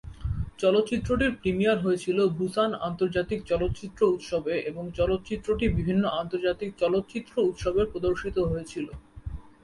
চলচ্চিত্রটির প্রিমিয়ার হয়েছিল বুসান আন্তর্জাতিক চলচ্চিত্র উৎসবে এবং চলচ্চিত্রটি বিভিন্ন আন্তর্জাতিক চলচ্চিত্র উৎসবে প্রদর্শিত হয়েছিল।